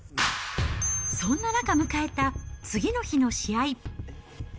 そんな中迎えた次の日の試合。